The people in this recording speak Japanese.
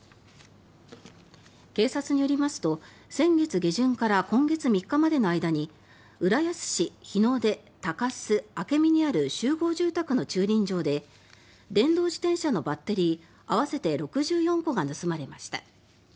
警察によりますと先月下旬から今月３日までの間に浦安市日の出、高洲、明海にある集合住宅の駐輪場で電動自転車のバッテリー合わせて６４個が盗まれました。